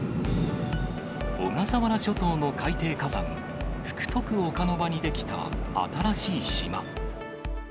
小笠原諸島の海底火山、福徳岡ノ場に出来た新しい島。